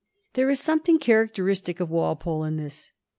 There is something characteristic of Walpole in this.